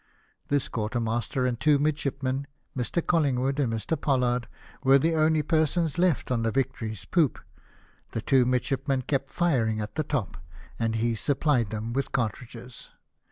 This quartermaster and two mildshipmen, Mr. Collingwood and Mr. Pollard, were the only persons left on the Victory s poop ; the two midshipmen kept firing at the top and he supplied them with cartridges.